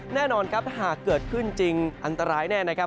แน่นอนครับถ้าหากเกิดขึ้นจริงอันตรายแน่นะครับ